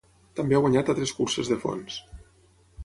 També ha guanyat altres curses de fons.